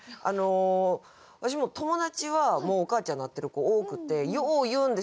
わしも友達はもうお母ちゃんになってる子多くてよう言うんですよ